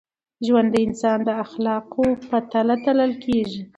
ژوند د انسان د اخلاقو په تله تلل کېږي.